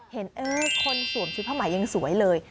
เห็นคนสวมชุดผ้าไหมยังสวยเลย